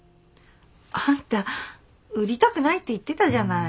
あんた売りたくないって言ってたじゃない。